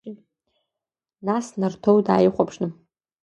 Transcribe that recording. Нас, Нарҭоу, днаихәаԥшны.